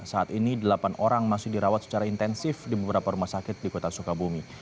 saat ini delapan orang masih dirawat secara intensif di beberapa rumah sakit di kota sukabumi